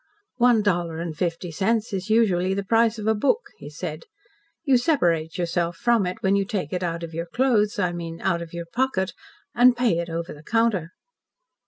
"One dollar and fifty cents is usually the price of a book," he said. "You separate yourself from it when you take it out of your clothes I mean out of your pocket and pay it over the counter."